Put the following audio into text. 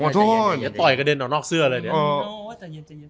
ต่อยกระเด็นออกนอกเสื้อเลย